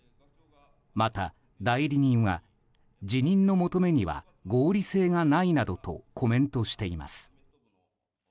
また代理人は辞任の求めには合理性がないなどとコメントしています。